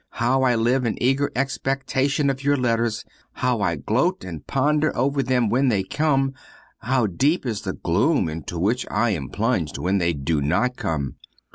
How I live in eager expectation of your letters; how I gloat and ponder over them when they come; and how deep is the gloom into which I am plunged when they do not come!